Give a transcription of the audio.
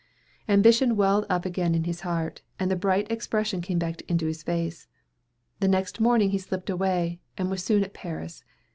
Ambition welled up again in his heart, and the bright expression came back into his face. The next morning he slipped away, and was soon at Paris.